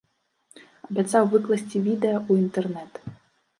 Абяцаў выкласці відэа ў інтэрнэт.